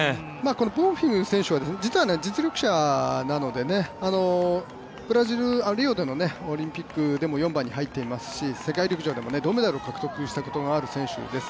ボンフィム選手は実は実力者なので、リオでのオリンピックでも４番に入っていますし、世界陸上でも銅メダルを獲得したこともある選手です。